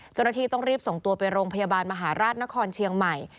เจ้าหน้าที่ต้องรีบส่งตัวไปโรงพยาบาลมหาราชนครเชียงใหม่